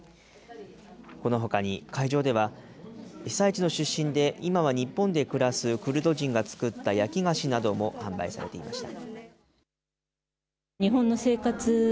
このほかに会場では、被災地の出身で今は日本で暮らすクルド人が作った焼き菓子なども販売されていました。